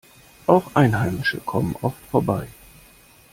Auch Einheimische kommen oft vorbei.